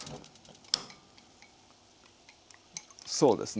そうですね。